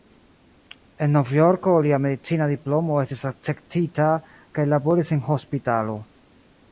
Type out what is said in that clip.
En Novjorko lia medicina diplomo estis akceptita kaj laboris en hospitalo.